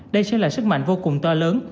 đây sẽ là sức mạnh vô cùng to lớn